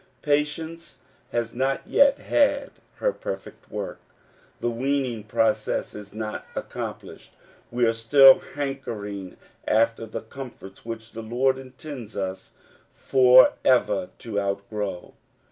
Patience has not yet had her perfect work. The weaning process is not accomplished : we are still hankering after the comforts which the Lord intends us for ever to outgrow.